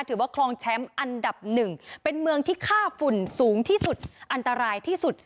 คลองแชมป์อันดับหนึ่งเป็นเมืองที่ค่าฝุ่นสูงที่สุดอันตรายที่สุด